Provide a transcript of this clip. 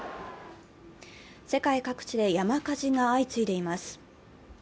世界各地で山火事が相次いでいます。